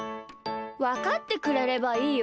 わかってくれればいいよ。